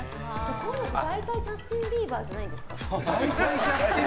こういうのって大体ジャスティン・ビーバーじゃないですか？